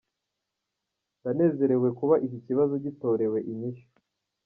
"Ndanezerewe kuba iki kibazo gitorewe inyishu.